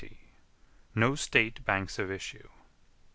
No State banks of issue.